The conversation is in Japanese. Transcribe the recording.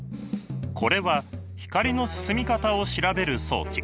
これは光の進み方を調べる装置。